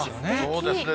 そうですね。